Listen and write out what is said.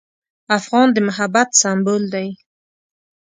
افغان د محبت سمبول دی.